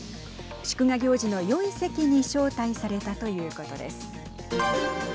祝賀行事のよい席に招待されたということです。